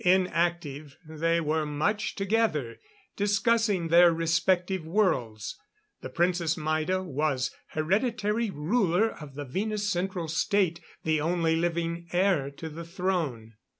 Inactive, they were much together, discussing their respective worlds. The Princess Maida was hereditary ruler of the Venus Central State the only living heir to the throne.